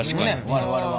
我々は。